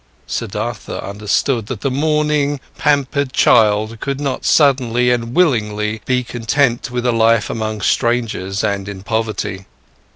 Siddhartha understood that the mourning, pampered child could not suddenly and willingly be content with a life among strangers and in poverty.